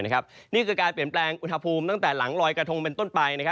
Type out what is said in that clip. นี่คือการเปลี่ยนแปลงอุณหภูมิตั้งแต่หลังลอยกระทงเป็นต้นไป